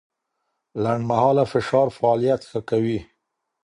لنډمهاله فشار فعالیت ښه کوي.